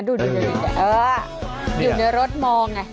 อยู่ในรถมองไง